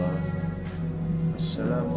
assalamualaikum warahmatullahi wabarakatuh